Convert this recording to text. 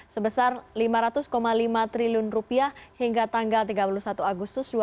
sebesar rp lima ratus lima triliun hingga tanggal tiga puluh satu agustus dua ribu dua puluh